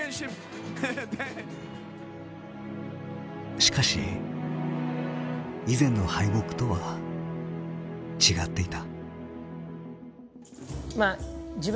しかし以前の敗北とは違っていた。